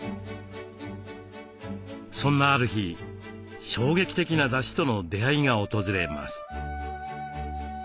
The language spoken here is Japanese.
そんなある日衝撃的なだしとの出会いが訪れます。